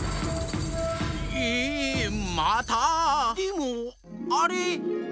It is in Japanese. ええまた⁉でもあれ。